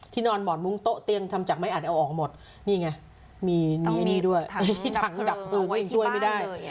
ที่นอนหมอนมุมโต๊ะเตียงทำจักไม้อัดเอาออกหมดนี่ไงมีนี้ด้วยทั้งดับเพลิงเอาไว้ที่บ้านเลย